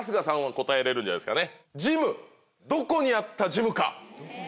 答えれるんじゃないですか。